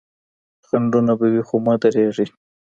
خنډونه به وي خو مه درېږئ.